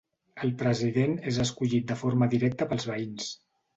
El President és escollit de forma directa pels veïns.